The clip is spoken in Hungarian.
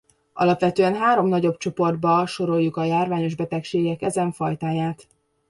Alapvetően három nagyobb csoportba soroljuk a járványos betegségek ezen fajtáját.